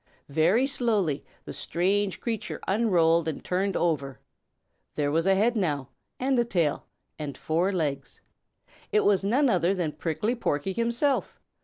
Very slowly the strange creature unrolled and turned over. There was a head now and a tail and four legs. It was none other than Prickly Porky himself!